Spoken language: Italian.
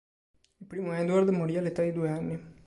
Il primo Edward morì all'età di due anni.